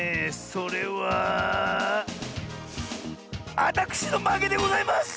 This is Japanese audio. それはあたくしのまけでございます！